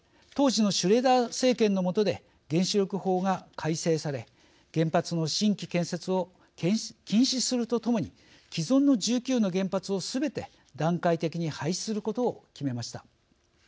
当時のシュレーダー政権の下で原子力法が改正され原発の新規建設を禁止するとともに既存の１９の原発をすべて段階的に廃止することを決めました。